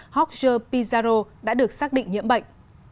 jorge pizarro đã được xác định nhiễm bệnh